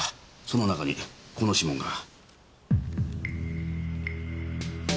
その中にこの指紋が。